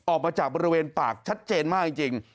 ออกมาจากบริเวณปากชัดเจนมากจริง